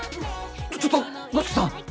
ちょっと五色さん！